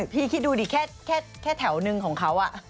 คิดดูดิแค่แถวนึงของเขา